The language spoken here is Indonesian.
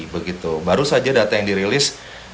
begitu baru saja data yang dirilis